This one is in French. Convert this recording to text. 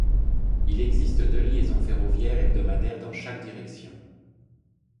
Il existe deux liaisons ferroviaires hebdomadaires dans chaque direction.